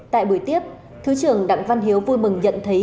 tại buổi tiếp thứ trưởng đặng văn hiếu vui mừng nhận thấy